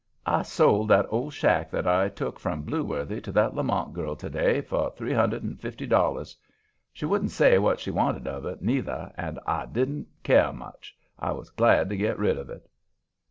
"I sold that old shack that I took from Blueworthy to that Lamont girl to day for three hundred and fifty dollars. She wouldn't say what she wanted of it, neither, and I didn't care much; I was glad to get rid of it."